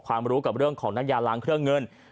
รู้กับเรื่องของน้ำยาล้างเครื่องเงิน